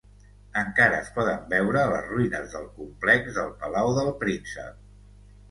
Encara es poden veure les ruïnes del complex del Palau del Príncep.